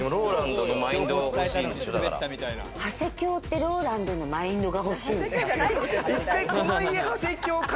ハセキョーってＲＯＬＡＮＤのマインドが欲しいの？